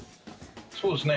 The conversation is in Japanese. そうですね。